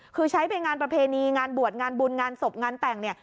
คือใช้ไปงานประเพณีงานบวชงานบุญงานศพงานแต่งเนี่ย